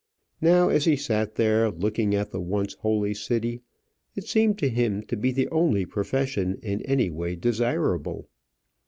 Now, as he sat there, looking at the once holy city, it seemed to him to be the only profession in any way desirable.